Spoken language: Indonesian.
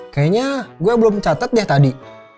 kayaknya gue belum catat deh tadi